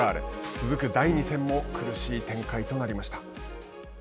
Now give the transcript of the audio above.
続く第２戦も苦しい展開となりました。